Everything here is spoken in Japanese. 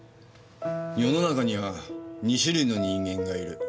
世の中には２種類の人間がいる。